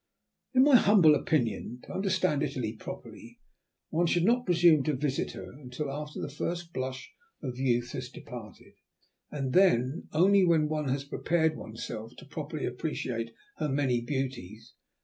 In my humble opinion, to understand Italy properly one should not presume to visit her until after the first blush of youth has departed, and then only when one has prepared oneself to properly appreciate her many beauties.